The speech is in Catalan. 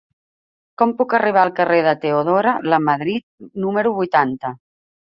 Com puc arribar al carrer de Teodora Lamadrid número vuitanta?